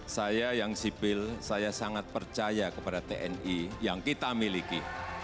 saya yang sipil saya sangat percaya kepada tni yang kita miliki